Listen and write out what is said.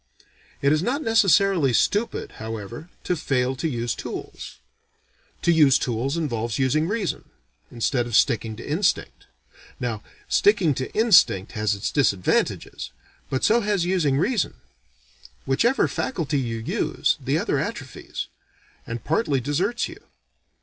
It is not necessarily stupid however, to fail to use tools. To use tools involves using reason, instead of sticking to instinct. Now, sticking to instinct has its disadvantages, but so has using reason. Whichever faculty you use, the other atrophies, and partly deserts you.